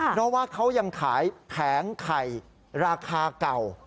เพราะว่าเขายังขายแผงไข่ราคาเก่า